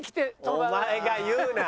お前が言うな！